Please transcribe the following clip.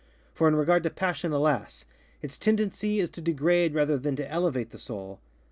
For in regard to passion, alas! its tendency is to degrade rather than to elevate the Soul.